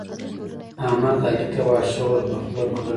احمد؛ علي ته واښه ور پر خوله کړل.